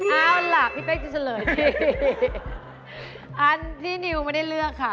เอาล่ะพี่เป๊กจะเฉลยที่อันที่นิวไม่ได้เลือกค่ะ